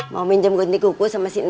mau minjem ganti kuku sama si neng